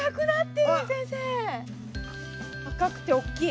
赤くておっきい。